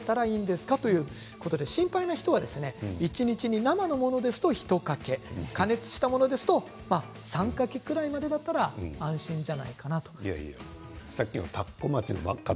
どれぐらい食べたらいいですか？ということで心配な人は一日に生のものですと１かけ加熱したものですと３かけぐらいまでだったら安心ではないかということでした。